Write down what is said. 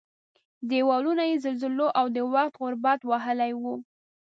دېوالونه یې زلزلو او د وخت غربت وهلي وو.